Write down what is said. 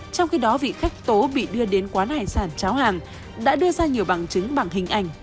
trong khi đó vị khách tố bị đưa đến quán hải sản cháo hàng đã đưa ra nhiều bằng chứng bằng hình ảnh